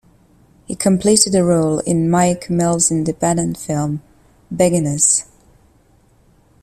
He completed a role in Mike Mills' independent film, "Beginners".